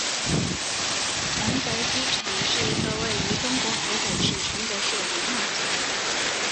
承德普宁机场是一个位于中国河北省承德市的民用机场。